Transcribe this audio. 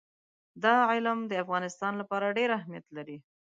دا علم د افغانستان لپاره ډېر اهمیت لري.